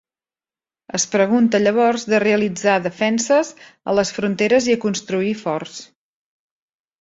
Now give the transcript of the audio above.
Es preocupa llavors de realitzar defenses a les fronteres i construir forts.